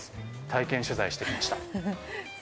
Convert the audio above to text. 体験取材してみました。